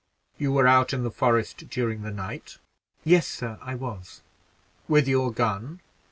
"You were out in the forest during the night? "Yes, sir, I was." "With your gun?"